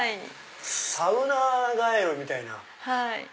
サウナガエルみたいな。